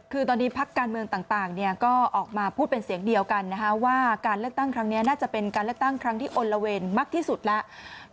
คือตอนนี้พักการเมืองต่างก็ออกมาพูดเป็นเสียงเดียวกันว่าการเลือกตั้งครั้งนี้น่าจะเป็นการเลือกตั้งครั้งที่อลละเวนมากที่สุดแล้ว